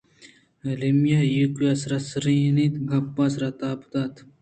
ایمیلیاءَ ایوک ءَ سر سُرینت ءُگپ ءِ سر تاب دات